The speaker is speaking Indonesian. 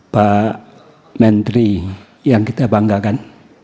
pak menteri yang kita banggakan